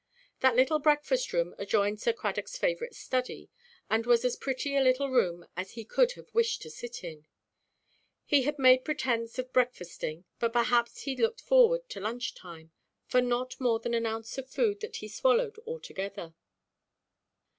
That little breakfast–room adjoined Sir Cradockʼs favourite study, and was as pretty a little room as he could have wished to sit in. He had made pretence of breakfasting, but perhaps he looked forward to lunch–time, for not more than an ounce of food had he swallowed altogether.